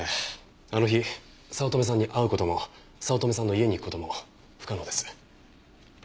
あの日早乙女さんに会う事も早乙女さんの家に行く事も不可能です。